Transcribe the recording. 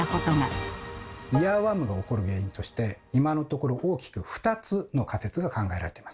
イヤーワームが起こる原因として今のところ大きく２つの仮説が考えられています。